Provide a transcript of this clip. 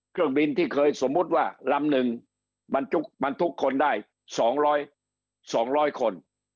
เครื่องบินที่เคยสมมุติว่าลำหนึ่งบรรทุกคนได้สองร้อยสองร้อยคน